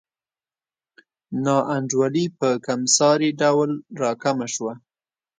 نا انډولي په کمسارې ډول راکمه شوه.